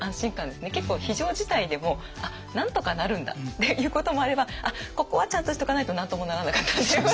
結構非常事態でもなんとかなるんだっていうこともあればここはちゃんとしとかないと何ともならなかったっていう。